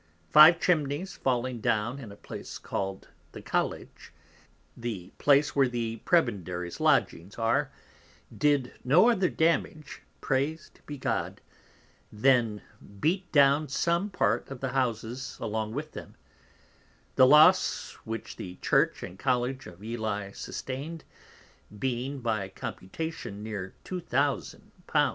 Five Chimneys falling down in a place called the Colledge, the place where the Prebendaries Lodgings are, did no other damage (prais'd be God) then beat down some part of the Houses along with them; the loss which the Church and College of Ely sustain'd, being by computation near 2000 _l.